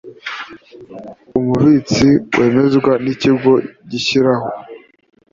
Umubitsi wemezwa n Ikigo gishyiraho